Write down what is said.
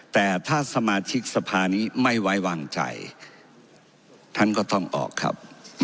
แต่ถ้าสมาชิกสภานี้ไม่ไว้วางใจท่านก็ต้องออกครับ